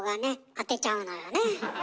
当てちゃうのよね。